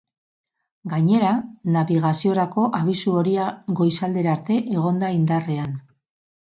Gainera, nabigaziorako abisu horia goizaldera arte egon da indarrean.